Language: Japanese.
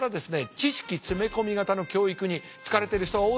知識詰め込み型の教育に疲れてる人が多いでしょ。